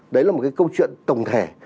đấy là một cái câu chuyện tổng thể